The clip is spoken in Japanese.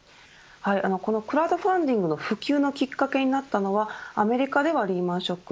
このクラウドファンディングの普及のきっかけになったのはアメリカではリーマン・ショック